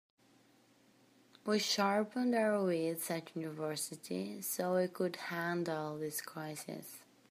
We sharpened our wits at university so we could handle this crisis.